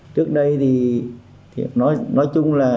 trước đây thì nói chung là